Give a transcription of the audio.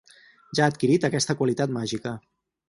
Ja ha adquirit aquesta qualitat màgica